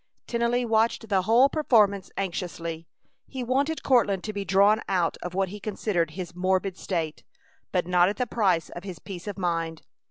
Tennelly watched the whole performance anxiously. He wanted Courtland to be drawn out of what he considered his "morbid" state, but not at the price of his peace of mind.